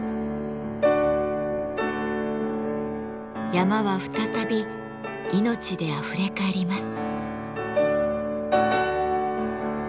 山は再び命であふれかえります。